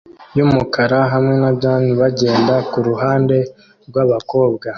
yumukara hamwe na jans bagenda kuruhande rwabakobwa